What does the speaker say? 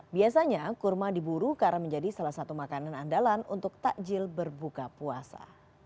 biasanya kurma diburu karena menjadi salah satu makanan andalan untuk takjil berbuka puasa